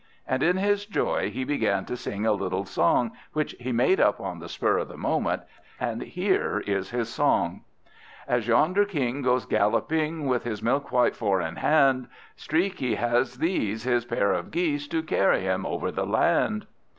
and in his joy he began to sing a little song which he made up on the spur of the moment, and here is his song: "As yonder king goes galloping with his milk white four in hand, Streaky has these, his pair of Geese, to carry him over the land!"